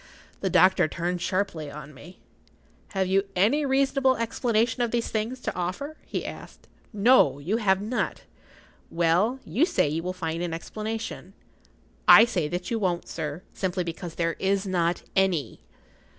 The doctor turned sharply on me—— "Have you any reasonable explanation of these things to offer?" he asked. "No; you have not. Well, you say you will find an explanation. I say that you won't, sir, simply because there is not any."